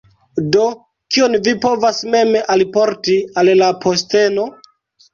Do kion vi povas mem alporti al la posteno?